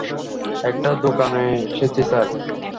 একটা দোকানে এসেছি, স্যার।